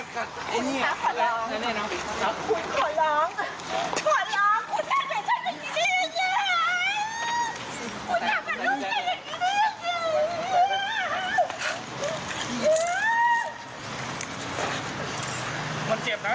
ขอล้อม